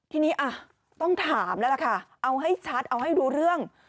ทีนี้ต้องถามแล้วล่ะค่ะเอาให้ชัดเอาให้รู้เรื่อง